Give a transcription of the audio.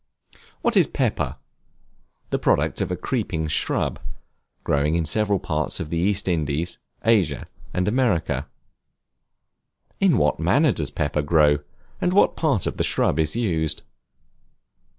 What is Pepper? The product of a creeping shrub, growing in several parts of the East Indies, Asia, and America. In what manner does Pepper grow, and what part of the shrub is used?